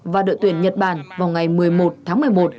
và đội tuyển nhật bản vào ngày một mươi một tháng một mươi một